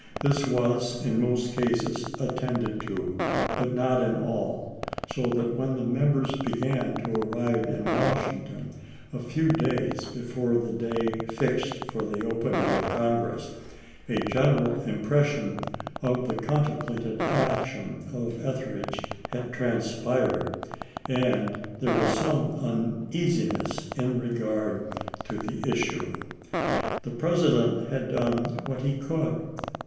This was in most cases attended to, but not in all, so that when the Members began to arrive in Washington a few days before the day fixed for the opening of Congress a general impression of the contemplated action of Etheridge had transpired, and there was some uneasiness in regard to the THE DEFEAT OF THE PEACE PARTY AT THE POLLS 391 issue. The President had done what he could to ch.